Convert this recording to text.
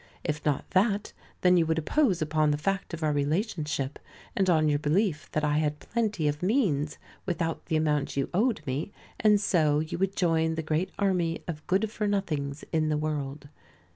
If not that, then you would impose upon the fact of our relationship, and on your belief that I had plenty of means without the amount you owed me: and so you would join the great army of good for nothings in the world.